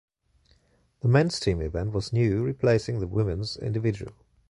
The men's team event was new, replacing the women's individual.